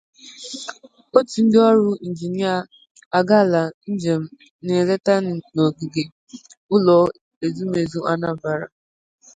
Òtù Ndị Ọrụ Injinia Agaala Njem Nleta n'Ogige Ụlọ Ezumezu Anambra